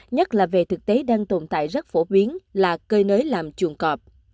nhất là về thực tế đang tồn tại rất phổ biến là cơi nới làm chuồng cọp